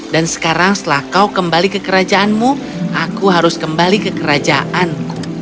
dan sekarang setelah kau kembali ke kerajaanmu aku harus kembali ke kerajaanku